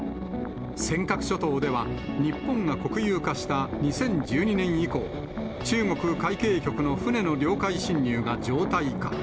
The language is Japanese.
尖閣諸島では、日本が国有化した２０１２年以降、中国海警局の船の領海侵入が常態化。